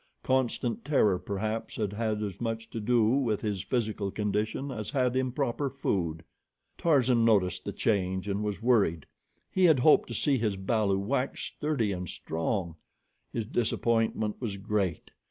Constant terror, perhaps, had had as much to do with his physical condition as had improper food. Tarzan noticed the change and was worried. He had hoped to see his balu wax sturdy and strong. His disappointment was great.